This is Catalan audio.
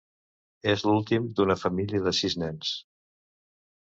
És l'últim d'una família de sis nens.